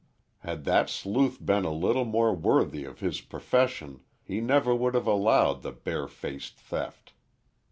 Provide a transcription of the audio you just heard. Had that sleuth been a little more worthy of his profession he never would have allowed the bare faced theft.